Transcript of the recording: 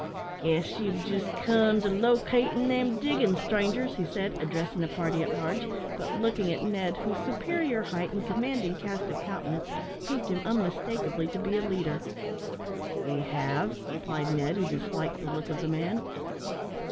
"Guess you've just come to locate in them diggin's, strangers," he said, addressing the party at large, but looking at Ned, whose superior height and commanding cast of countenance proved him unmistakeably to be a leader. "We have," replied Ned, who disliked the look of the man.